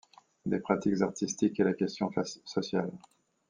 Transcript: Des pratiques artistiques et la question sociale.